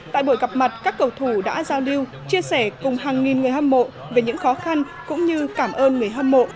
tại buổi gặp mặt các cầu thủ đã giao lưu chia sẻ cùng hàng nghìn người hâm mộ về những khó khăn cũng như cảm ơn người hâm mộ